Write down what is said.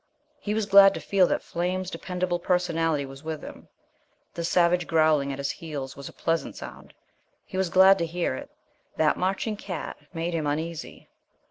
He was glad to feel that Flame's dependable personality was with him. The savage growling at his heels was a pleasant sound. He was glad to hear it. That marching cat made him uneasy.